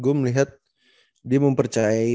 gue melihat dia mempercayai